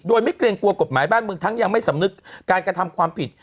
โดยไม่เกรงกลัวกฎหมายบ้านเมืองทั้งยังไม่สำนึกการกระทำความผิด